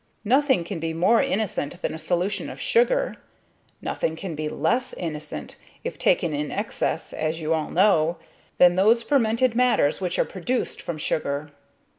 Nothing can be more innocent than a solution of sugar; nothing can be less innocent, if taken in excess, as you all know, than those fermented matters which are produced from sugar.